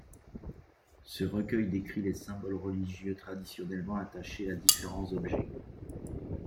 Ce recueil décrit les symboles religieux traditionnellement attachés à différents objets.